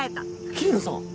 桐野さん！